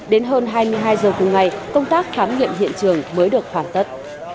đến hơn hai mươi hai h cùng ngày công tác khám nghiệm hiện trường mới được hoàn tất